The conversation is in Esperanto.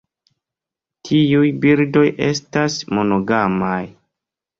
Tiuj birdoj estas monogamaj.